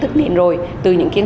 thì chưa đến một mươi